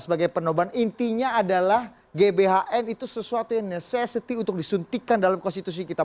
sebagai penoban intinya adalah gbhn itu sesuatu yang necessity untuk disuntikan dalam konstitusi kita